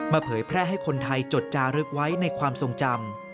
เผยแพร่ให้คนไทยจดจารึกไว้ในความทรงจำ